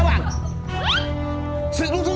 สวัสดีครับ